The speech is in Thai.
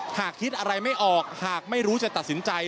หากคิดอะไรไม่ออกหากไม่รู้จะตัดสินใจ